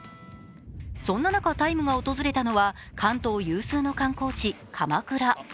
そんな中「ＴＩＭＥ，」が訪れたのは関東有数の観光地、鎌倉。